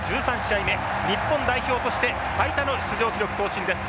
日本代表として最多の出場記録更新です。